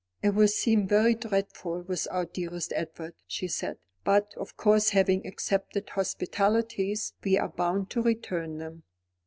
"It will seem very dreadful without dearest Edward," she said; "but of course having accepted hospitalities, we are bound to return them."